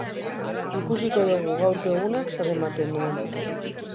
Ikusiko dugu gaurko egunak zer ematen duen.